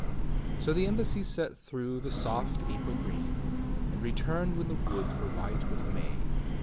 So the embassy set out through the soft April green, and returned when the woods were white with IMay.